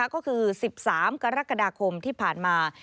ก็คือ๑๓กรกฎาคมที่ผ่านมา